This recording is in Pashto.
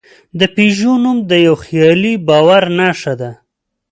د پيژو نوم د یوه خیالي باور نښه ده.